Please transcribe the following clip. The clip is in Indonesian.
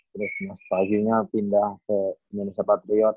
terus mas fagynya pindah ke indonesia patriots